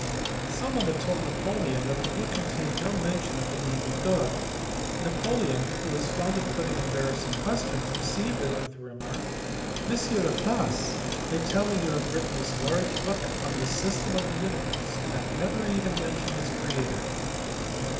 Someone had told Napoleon that the book contained no mention of the name of God ; Napoleon, who was fond of putting embarrassing questions, received it with the remark, "M. Laplace, they tell me you have written this large book on the system of the universe, and have never even mentioned its Creator."